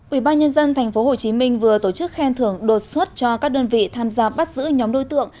ủy ban nhân dân tp hcm vừa tổ chức khen thưởng đột xuất cho các đơn vị tham gia bắt giữ nhóm đối tượng